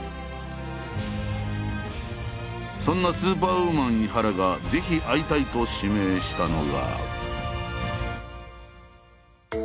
そんなスーパーウーマン井原がぜひ会いたいと指名したのが。